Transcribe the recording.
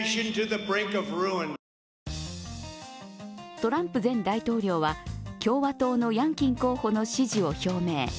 トランプ前大統領は共和党のヤンキン候補の支持を表明。